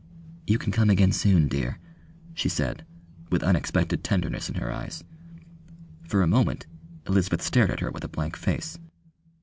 "You can come again soon, dear," she said, with unexpected tenderness in her eyes. For a moment Elizabeth stared at her with a blank face.